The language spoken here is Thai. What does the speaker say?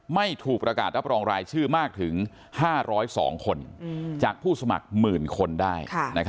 ไม่ถูกประกาศรับรองรายชื่อมากถึง๕๐๒คนจากผู้สมัครหมื่นคนได้